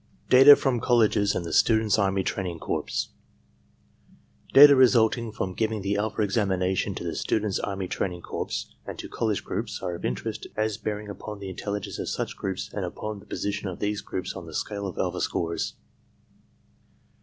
DATA FROM COLLEGES AND THE STUDENTS* ARMY TRAINING CORPS Data resulting from giving the alpha examination to the Students' Army Training Corps and to college groups are of interest as bearing upon the intelligence of such groups and upon the position of these groups on the scale of alpha scores.